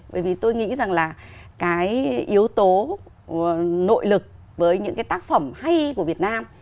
bởi vì tôi nghĩ rằng là cái yếu tố nội lực với những cái tác phẩm hay của việt nam